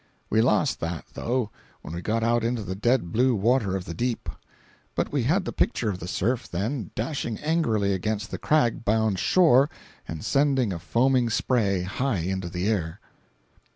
We lost that, though, when we got out into the dead blue water of the deep. But we had the picture of the surf, then, dashing angrily against the crag bound shore and sending a foaming spray high into the air.